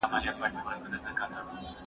دا پلان له هغه ګټور دی